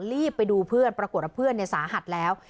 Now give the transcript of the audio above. รีบไปดูเพื่อนปรากฏว่าเพื่อนสาหัสแล้ว